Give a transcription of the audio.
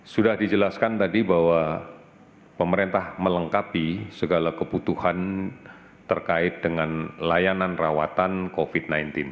sudah dijelaskan tadi bahwa pemerintah melengkapi segala kebutuhan terkait dengan layanan rawatan covid sembilan belas